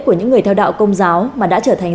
của những người theo đạo công giáo mà đã trở thành